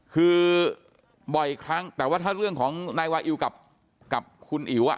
คือบ่อยครั้งแต่ว่าถ้าเรื่องของนายวาอิวกับคุณอิ๋ว